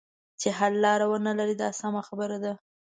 چې حل لاره ونه لري دا سمه خبره ده.